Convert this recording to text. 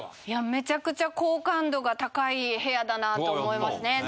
めちゃくちゃ好感度が高い部屋だなと思いますね。